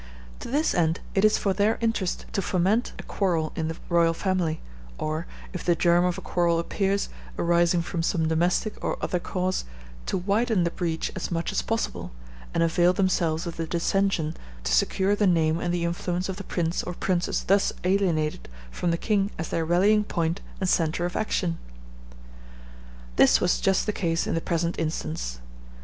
To this end it is for their interest to foment a quarrel in the royal family, or, if the germ of a quarrel appears, arising from some domestic or other cause, to widen the breach as much as possible, and avail themselves of the dissension to secure the name and the influence of the prince or princess thus alienated from the king as their rallying point and centre of action. This was just the case in the present instance.